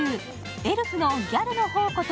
エルフのギャルのほうこと